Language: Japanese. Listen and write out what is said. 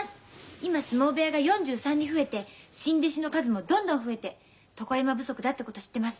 今相撲部屋が４３に増えて新弟子の数もどんどん増えて床山不足だってこと知ってます。